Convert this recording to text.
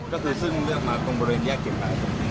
ก็คือซึ่งเลือกมาตรงบริเวณแยกเก็บไว้